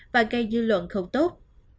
và gây dư luận không tốt